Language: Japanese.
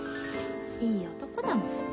いい男だもん。